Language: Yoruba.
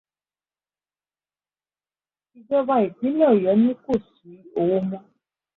Ìjọba ìpínlẹ̀ Ọ̀yọ́ ní kò sí owó mọ́.